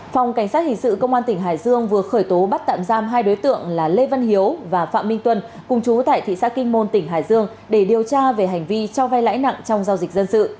phòng cảnh sát hình sự công an tỉnh hải dương vừa khởi tố bắt tạm giam hai đối tượng là lê văn hiếu và phạm minh tuân cùng chú tại thị xã kinh môn tỉnh hải dương để điều tra về hành vi cho vay lãi nặng trong giao dịch dân sự